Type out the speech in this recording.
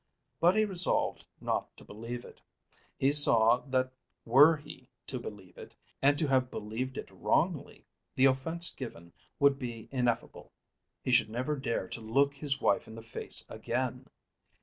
But he resolved not to believe it. He saw that were he to believe it, and to have believed it wrongly, the offence given would be ineffable. He should never dare to look his wife in the face again.